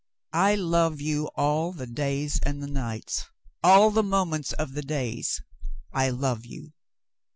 I love you all the days and the nights — all the moments of the days — I love you."